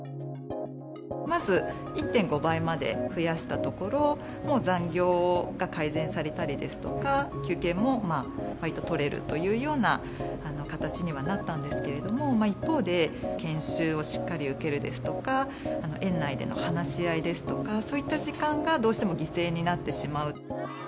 まず１．５倍まで増やしたところ、もう残業が改善されたりですとか、休憩もわりと取れるというような形にはなったんですけれども、一方で、研修をしっかり受けるですとか、園内での話し合いですとか、そういった時間がどうしても犠牲になってしまう。